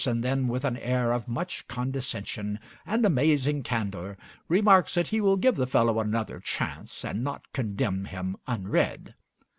and then, with an air of much condescension and amazing candor, remarks that he will give the fellow another chance, and not condemn him unread.